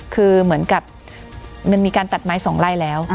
คือเหมือนกับมันมีการตัดไม้สองไล่แล้ว